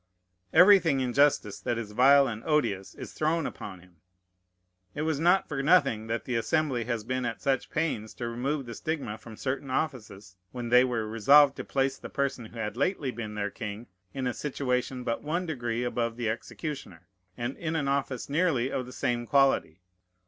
Everything in justice that is vile and odious is thrown upon him. It was not for nothing that the Assembly has been at such pains to remove the stigma from certain offices, when they were resolved to place the person who had lately been their king in a situation but one degree above the executioner, and in an office nearly of the same quality.